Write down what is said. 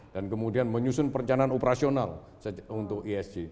dan kemudian menyusun perencanaan operasional untuk esg